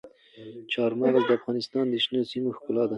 چار مغز د افغانستان د شنو سیمو ښکلا ده.